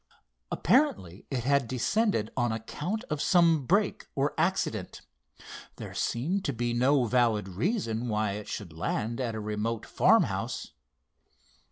Apparently it had descended on account of some break or accident. There seemed to be no valid reason why it should land at a remote farmhouse.